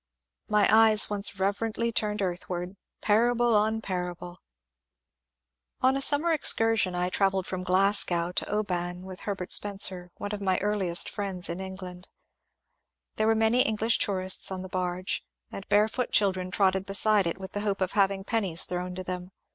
SIR WILLIAM THOMSON 361 My eyes once reverently turned earthward, parable on par able I On a summer excursion I travelled from Glasgow to Oban witb Herbert Spencer, one of my earliest friends in England. There were many English tourists on the barge, and barefoot children trotted beside it with the hope of having pennies thrown to them.